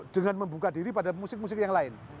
dengan membuka diri pada musik musik yang lain